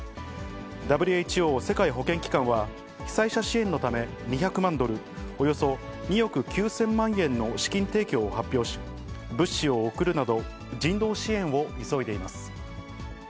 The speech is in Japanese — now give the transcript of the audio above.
ＷＨＯ・世界保健機関は被災者支援のため、２００万ドル、およそ２億９０００万円の資金提供を発表し、物資を送るなど、人道支援を急いでいます。